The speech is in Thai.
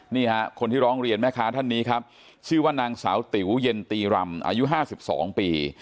นี่ฮะคนที่ร้องเรียนแม่ค้าท่านนี้ครับชื่อว่านางสาวติ๋วเย็นตีรำอายุ๕๒ปี